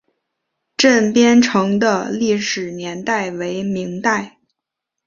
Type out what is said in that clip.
镇边城的历史年代为明代。